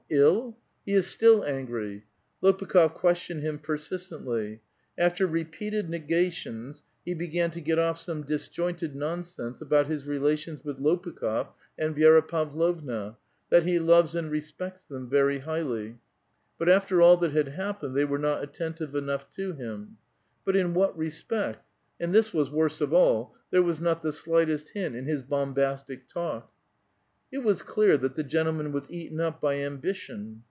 ill?" He is still angry. Lopukh6f questioned him persistently. After repeated negations, he began to get off some disjointed nonsense about liis relations with Lopukh6f and Vi^ra Pav lovna ; that he loves and respects them very highly ; but after all that had happened, they were not attentive enough to liim. But in what respect — and this was worst of all — there was not the slightest hint in his bombastic talk. It was clear that the gentleman was eaten up by ambition.